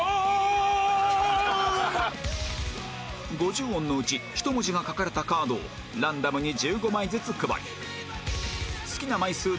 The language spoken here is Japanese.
５０音のうち１文字が書かれたカードをランダムに１５枚ずつ配り